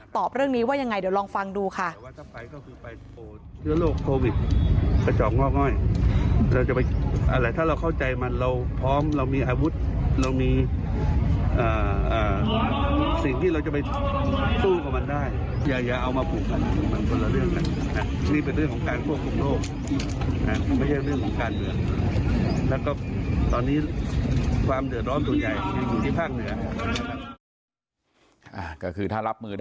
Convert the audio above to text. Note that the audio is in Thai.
เรื่องนี้ว่ายังไงเดี๋ยวลองฟังดูค่ะ